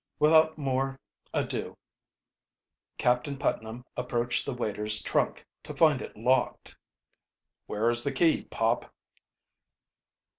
Without more ado Captain Putnam approached the waiter's trunk, to find it locked. "Where is the key, Pop?"